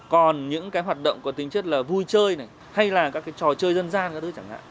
còn những cái hoạt động có tính chất là vui chơi này hay là các cái trò chơi dân gian các thứ chẳng hạn